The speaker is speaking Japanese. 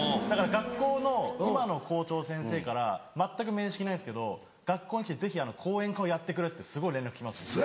だから学校の今の校長先生から全く面識ないんですけど「学校に来てぜひ講演会をやってくれ」ってすごい連絡来ます。